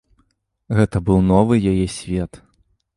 Гэта быў новы яе свет.